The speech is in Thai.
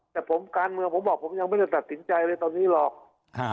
แต่ผมการเมืองผมบอกผมยังไม่ได้ตัดสินใจเลยตอนนี้หรอก